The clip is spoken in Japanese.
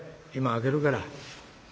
今開けるから。